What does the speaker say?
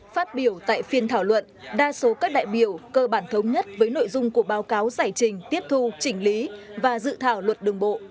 phát biểu tại phiên thảo luận đa số các đại biểu cơ bản thống nhất với nội dung của báo cáo giải trình tiếp thu chỉnh lý và dự thảo luật đường bộ